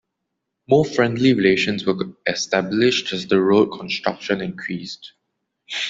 More friendly relations were established as the road construction increased.